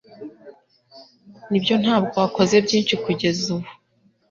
Nibyo ntabwo wakoze byinshi kugeza ubu